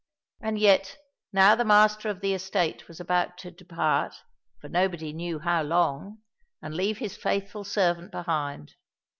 And yet, now the master of the estate was about to depart, for nobody knew how long, and leave his faithful servant behind.